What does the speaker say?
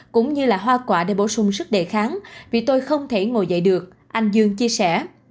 cũng như là hoa quả để bổ sung sức đề kháng vì tôi không thể ngồi dậy được anh dương chia sẻ